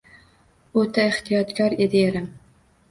O`ta ehtiyotkor edi erim